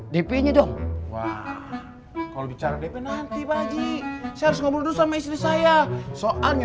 dp nya dong wah kalau bicara dp nanti baji saya harus ngomong dulu sama istri saya soalnya